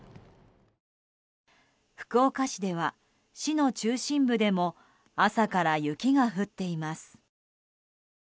福岡市では、市の中心部でも朝から雪が降っています。